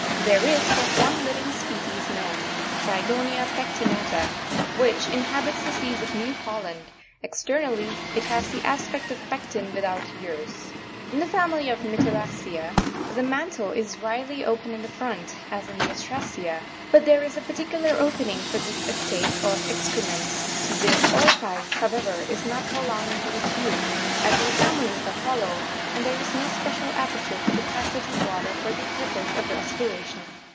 There is but one living species known, — Trigonia pectinata,—which in habits the seas of New Holland; exter . nally, it has the aspect of Pecten without ears. 21. In the Family of Myrinacza, the mantle is widely open in front, as in the Ostracea, but there is a particular opening for the escape of excrement; this orifice, however, is not prolonged into a tube, as in the families that follow, and there is no special aperture for the passage of water for the purpose of respiration.